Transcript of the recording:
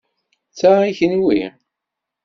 Ta i kenwi.